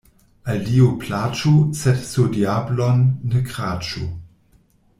Al Dio plaĉu, sed sur diablon ne kraĉu.